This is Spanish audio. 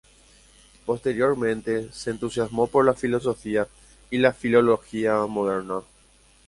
Posteriormente, se entusiasmó por la filosofía y la filología moderna.